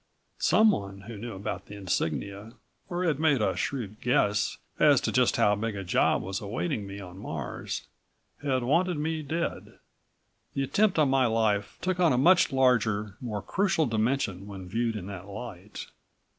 Someone who knew about the insignia or had made a shrewd guess as to just how big a job was awaiting me on Mars had wanted me dead. The attempt on my life took on a much larger, more crucial dimension when viewed in that light.